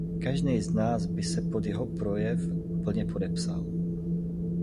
Každý z nás by se pod jeho projev plně podepsal.